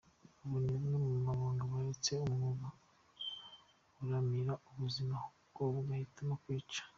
Abo ni bamwe mu baganga baretse umwuga uramira ubuzima ahubwo bagahitamo kwica.